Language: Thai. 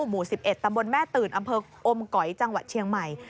หมู่๑๑ตำบลแม่ตื่นอำเภออมก๋อยจังหวัดเชียงใหม่